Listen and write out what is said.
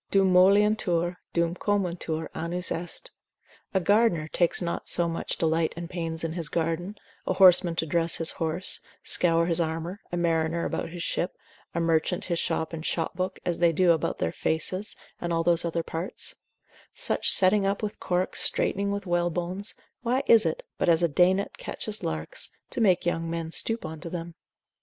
Dum moliuntur, dum comuntur annus est: a gardener takes not so much delight and pains in his garden, a horseman to dress his horse, scour his armour, a mariner about his ship, a merchant his shop and shop book, as they do about their faces, and all those other parts: such setting up with corks, straightening with whalebones; why is it, but as a day net catcheth larks, to make young men stoop unto them?